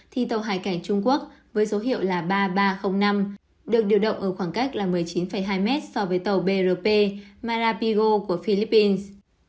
thì tàu hải cảnh trung quốc với số hiệu là ba nghìn ba trăm linh năm được điều động ở khoảng cách là một mươi chín hai mét so với tàu brp marapigo của philippines